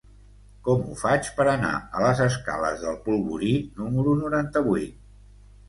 Com ho faig per anar a les escales del Polvorí número noranta-vuit?